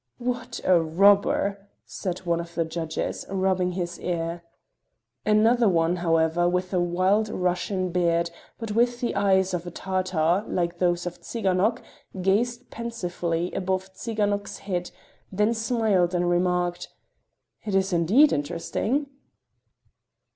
"What a robber!" said one of the judges, rubbing his ear. Another one, however, with a wild Russian beard, but with the eyes of a Tartar, like those of Tsiganok, gazed pensively above Tsiganok's head, then smiled and remarked: "It is indeed interesting."